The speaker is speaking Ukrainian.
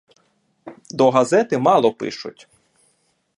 До газети мало пишуть.